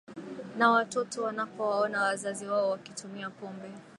Na watoto wanapowaona wazazi wao wakitumia pombe